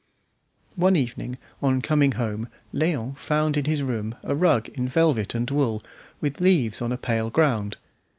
One evening on coming home Léon found in his room a rug in velvet and wool with leaves on a pale ground.